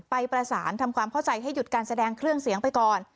ไปประสานทำความเข้าใจให้หยุดการแสดงเครื่องเสียงไปก่อน